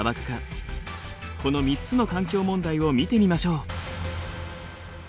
この３つの環境問題を見てみましょう。